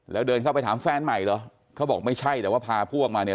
แล้วเดินเข้าไปถามแฟนใหม่เหรอเขาบอกไม่ใช่แต่ว่าพาพวกมาเนี่ย